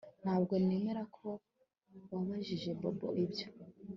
Ntabwo nemera ko wabajije Bobo ibyo